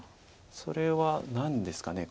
それは何ですか。